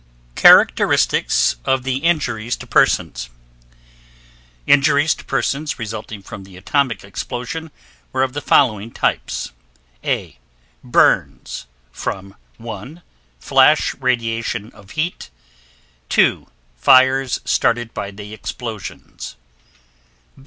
CHARACTERISTICS OF THE INJURIES TO PERSONS Injuries to persons resulting from the atomic explosions were of the following types: A. Burns, from 1. Flash radiation of heat 2. Fires started by the explosions.